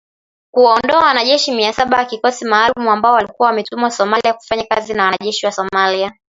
Kuwaondoa wanajeshi mia saba wa kikosi maalum ambao walikuwa wametumwa Somalia kufanya kazi na wanajeshi wa Somalia